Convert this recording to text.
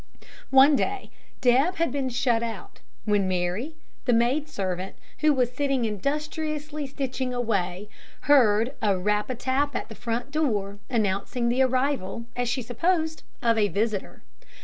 One day Deb had been shut out, when Mary, the maidservant, who was sitting industriously stitching away, heard a rap a tap at the front door, announcing the arrival, as she supposed, of a visitor.